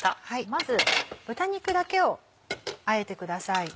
まず豚肉だけをあえてください。